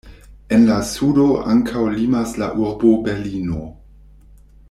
En la sudo ankaŭ limas la urbo Berlino.